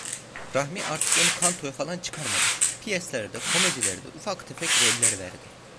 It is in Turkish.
Rahmi artık onu kantoya falan çıkarmadı, piyeslerde, komedilerde ufak tefek roller verdi.